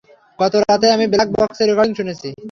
গত রাতেই আমি ব্ল্যাক বক্সে রেকর্ডিং শুনেছি।